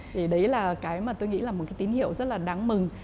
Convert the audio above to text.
thì đấy là cái mà tôi nghĩ là một cái tín hiệu rất là đáng mừng